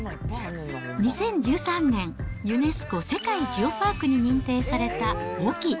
２０１３年、ユネスコ世界ジオパークに認定された隠岐。